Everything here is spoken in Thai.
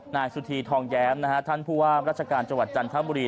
นายสุธีทองแย้มท่านคุณผู้อาบรัชการจันทรัพย์บุรี